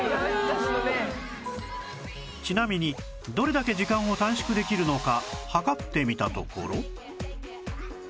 ちなみにどれだけ時間を短縮できるのか計ってみたところ